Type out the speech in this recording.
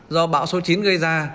do bão số chín gây ra